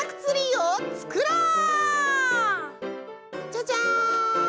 じゃじゃん！